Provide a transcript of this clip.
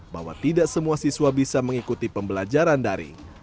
bahwa tidak semua siswa bisa mengikuti pembelajaran daring